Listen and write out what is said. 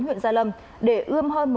huyện gia lâm để ươm hơn